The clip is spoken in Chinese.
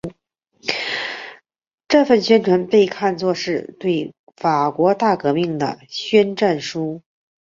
这份宣言被看作是对法国大革命的宣战书。